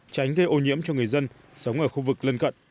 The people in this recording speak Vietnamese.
tránh gây ô nhiễm cho người dân sống ở khu vực lân cận